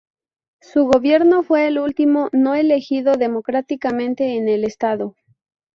Su gobierno fue el último no elegido democráticamente en el estado.